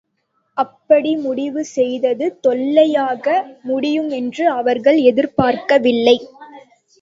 அப்படி முடிவு செய்தது தொல்லையாக முடியுமென்று அவர்கள் எதிர்பார்க்கவில்லை.